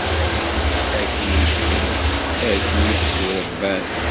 Akken i d-kkren, akken i d-tturebban.